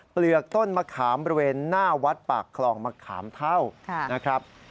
เปลือกต้นมะขามบริเวณหน้าวัดปากคลองมะขามเท่านะครับ